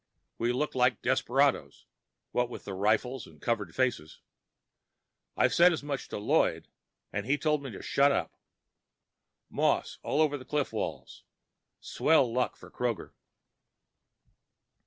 We look like desperadoes, what with the rifles and covered faces. I said as much to Lloyd and he told me to shut up. Moss all over the cliff walls. Swell luck for Kroger.